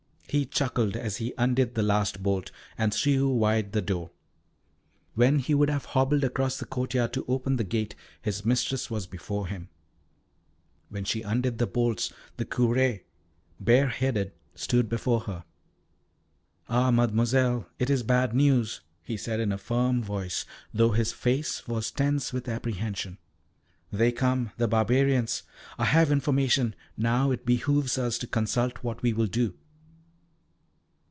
He chuckled as he undid the last bolt, and threw wide the door. When he would have hobbled across the courtyard to open the gate his mistress was before him. When she undid the bolts the Curé, bareheaded, stood before her. "Ah, Mademoiselle, it is bad news," he said in a firm voice, though his face was tense with apprehension. "They come, the barbarians. I have information, now it behoves us to consult what we will do."